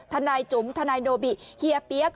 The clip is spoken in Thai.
ทนายจุ๋มทนายโนบิเฮียเปี๊ยก